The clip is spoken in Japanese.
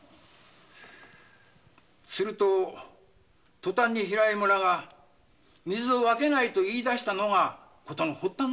するととたんに平井村が水を分けないと言いだしたのが事の発端なのでございます。